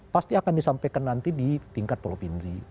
pasti akan disampaikan nanti di tingkat provinsi